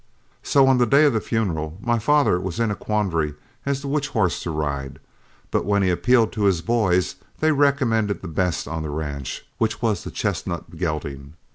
"So the day of the funeral my father was in a quandary as to which horse to ride, but when he appealed to his boys, they recommended the best on the ranch, which was the chestnut gelding.